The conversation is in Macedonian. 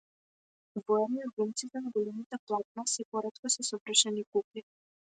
Воедно и глумците на големите платна сѐ поретко се совршени кукли.